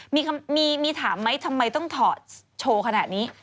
มีถามไหมทำไมต้องถอดโชว์ขนาดนี้